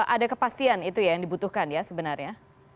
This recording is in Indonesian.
ada kepastian itu ya yang dibutuhkan ya sebenarnya